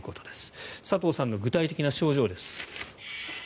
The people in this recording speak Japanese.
さとうさんの具体的な症状です。